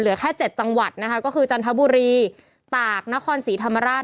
แค่๗จังหวัดนะคะก็คือจันทบุรีตากนครศรีธรรมราช